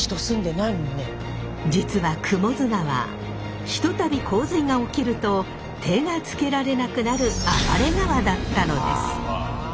実は雲出川一たび洪水が起きると手がつけられなくなる暴れ川だったのです。